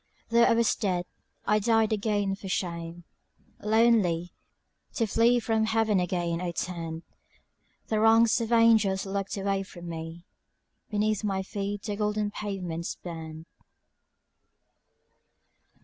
Though I was dead, I died again for shame; Lonely, to flee from heaven again I turned; The ranks of angels looked away from me (Beneath my feet the golden pavements burned).